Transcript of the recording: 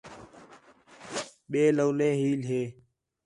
ٻئے لَولے حیل ہِے